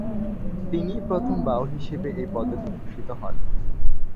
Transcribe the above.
তিনিই প্রথম বাউল হিসেবে এই পদকে ভূষিত হন।